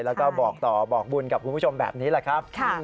แล้วก็บอกต่อบอกบุญกับคุณผู้ชมแบบนี้แหละครับ